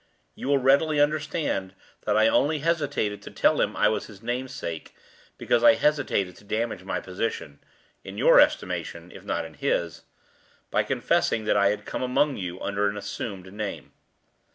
You will readily understand that I only hesitated to tell him I was his namesake, because I hesitated to damage my position in your estimation, if not in his by confessing that I had come among you under an assumed name.